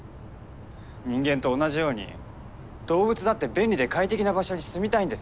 人間と同じように動物だって便利で快適な場所に住みたいんです。